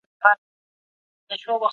هغوی ته اوبه ورکړئ او پالنه یې وکړئ.